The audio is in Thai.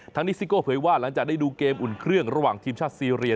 นี้ซิโก้เผยว่าหลังจากได้ดูเกมอุ่นเครื่องระหว่างทีมชาติซีเรีย